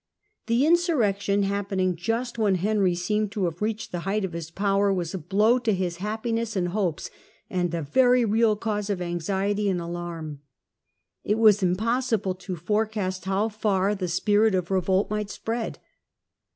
The insurrection happening just when Henry seemed to have reached the height of his power was a blow to his happiness and hopes, and a very real cause of anxiety and alarm. It was impossible to forecast how far the spirit of revolt might spread.